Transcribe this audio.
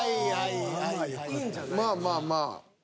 まあまあまあ。